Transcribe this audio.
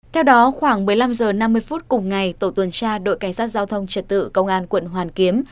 theo đó khoảng một mươi năm h năm mươi phút cùng ngày tổ tuần tra đội cảnh sát giao thông trật tự công an quận hoàn kiếm